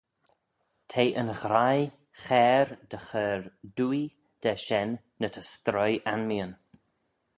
T'eh yn ghraih chair dy chur dwoaie da shen ny ta stroie anmeeyn.